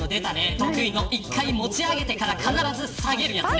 得意の一回持ち上げてから必ず下げるやつね。